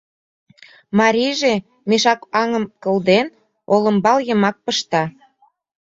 Марийже, мешак аҥым кылден, олымбал йымак пышта.